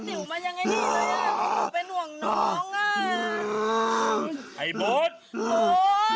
ลุงไปหน่วงน้องอ่าไอบุธอิบูธ